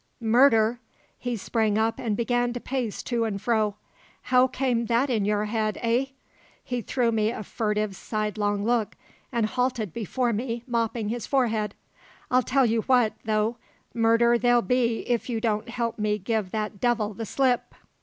"Murder?" He sprang up and began to pace to and fro. "How came that in your head, eh?" He threw me a furtive sidelong look, and halted before me mopping his forehead. "I'll tell you what, though: Murder there'll be if you don't help me give that devil the slip."